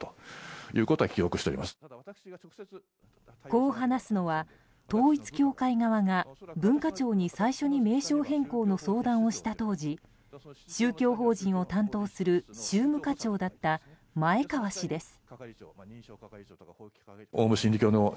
こう話すのは統一教会側が文化庁に最初に名称変更の相談をした当時宗教法人を担当する宗務課長だった前川氏です。